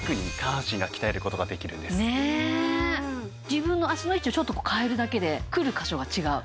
自分の脚の位置をちょっと変えるだけでくる箇所が違う。